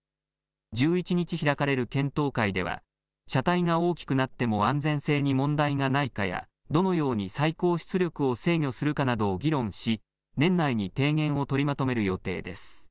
１１日開かれる検討会では車体が大きくなっても安全性に問題がないかやどのように最高出力を制御するかなどを議論し年内に提言を取りまとめる予定です。